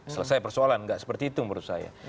selesai persoalan nggak seperti itu menurut saya